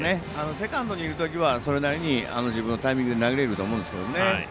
セカンドにいるときはそれなりに自分のタイミングで投げれると思うんですけどね。